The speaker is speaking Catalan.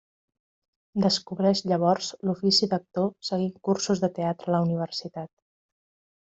Descobreix llavors l'ofici d'actor seguint cursos de teatre a la universitat.